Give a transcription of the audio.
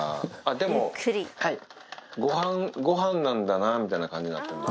でもごはんなんだなみたいな感じになってるな。